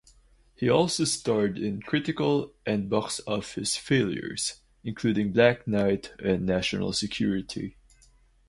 He also starred in critical- and box-office failures, including "Black Knight" and "National Security".